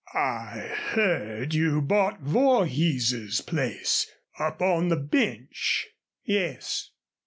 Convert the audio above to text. I heard you bought Vorhees's place, up on the bench." "Yes."